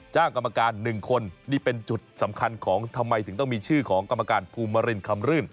กรรมการหนึ่งคนนี่เป็นจุดสำคัญของทำไมถึงต้องมีชื่อของกรรมการภูมิมารินคำรื่น